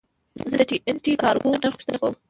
زه د ټي این ټي کارګو نرخ پوښتنه کوم.